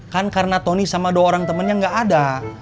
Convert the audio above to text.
kan karena tony sama dua orang temannya nggak ada